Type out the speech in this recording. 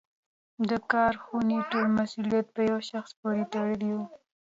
د کارخونې ټول مسوولیت په یوه شخص پورې تړلی و.